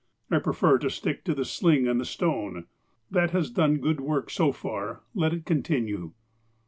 I prefer to stick to the sling and the stone. That has done good work so far. Let it continue."